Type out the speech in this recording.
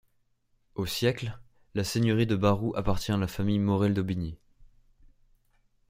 Au siècle, la seigneurie de Barou appartient à la famille Morell d’Aubigny.